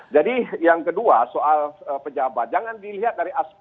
jadi yang kedua soal pejabat